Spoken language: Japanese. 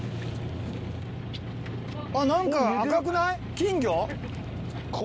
あっ何か赤くない？